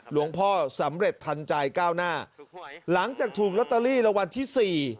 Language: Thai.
หลวงพ่อสำเร็จทันใจก้าวหน้าหลังจากถูกลอตเตอรี่รางวัลที่สี่